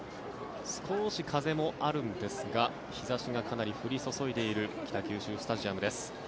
少し風もあるんですが日差しがかなり降り注いでいる北九州スタジアムです。